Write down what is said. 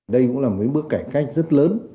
đây cũng là một bước cải cách rất lớn